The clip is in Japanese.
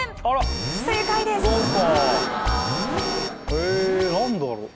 へえ何だろう。